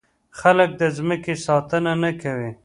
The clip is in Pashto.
خلک د ځمکې ساتنه نه کوي.